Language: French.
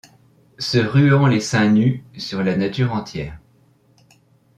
Se ruant les seins nus sur la nature entière